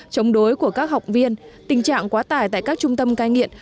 chống đối của các học viên tình trạng quá tải tại các trung tâm cai nghiện